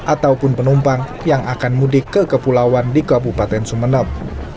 ataupun penumpang yang akan mudik ke kepulauan di kabupaten sumeneb